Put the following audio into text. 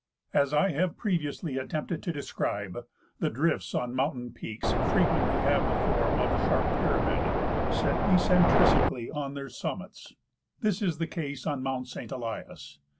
As I have previously attempted to describe,* the drifts on mountain peaks frequently have the form of a sharp pyramid, set eccentrically on their summits. This is the case on mount Saint Elias.